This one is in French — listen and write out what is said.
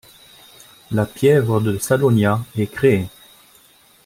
La piève de Salogna est créée.